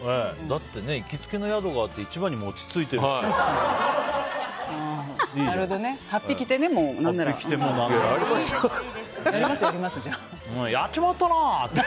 だって、行きつけの宿があって一番に餅ついてるって。